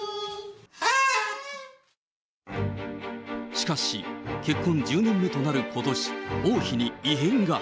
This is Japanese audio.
しかし、結婚１０年目となることし、王妃に異変が。